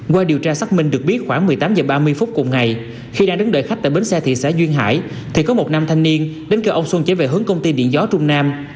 qua điều tra xác minh được biết khoảng một mươi tám h ba mươi phút cùng ngày khi đang đến đợi khách tại bến xe thị xã duyên hải thì có một nam thanh niên đến kêu ong xuân trở về hướng công ty điện gió trung nam